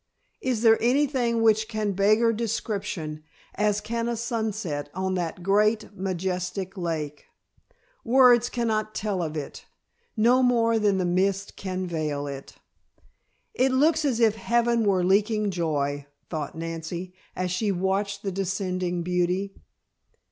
Is there anything which can beggar description as can a sunset on that great, majestic lake! Words cannot tell of it, no more than the mist can veil it. "It looks as if heaven were leaking joy," thought Nancy, as she watched the descending beauty.